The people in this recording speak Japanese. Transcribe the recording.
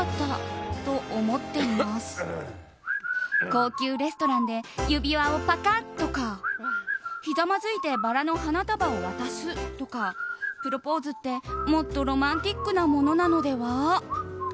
高級レストランで指輪をパカッとかひざまずいてバラの花束を渡すとかプロポーズって、もっとロマンティックなものなのでは？